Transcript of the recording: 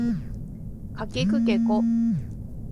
かきくけこ